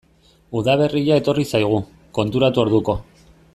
Udaberria etorri zaigu, konturatu orduko.